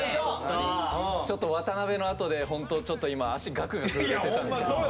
ちょっと渡辺のあとでホントちょっと今足ガクガク震えてたんすけど。